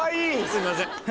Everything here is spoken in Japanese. すいません。